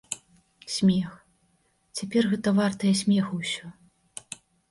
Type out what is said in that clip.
Смех, цяпер гэта вартае смеху ўсё.